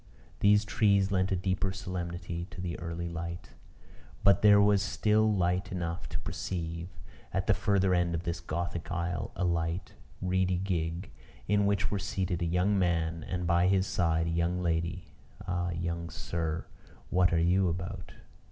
These trees lent a deeper solemnity to the early light; but there was still light enough to perceive, at the further end of this gothic aisle, a light, reedy gig, in which were seated a young man, and, by his side, a young lady. Ah, young sir! what are you about?